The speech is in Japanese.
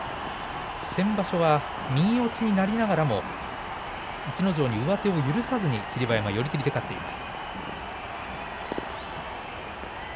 先場所は右四つになりながらも逸ノ城に上手を許さずに寄り切りで勝っています。